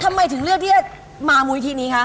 ทำไมถึงเลือกที่จะมามูลวิธีนี้คะ